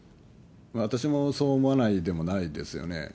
私もそう思わないでもないですよね。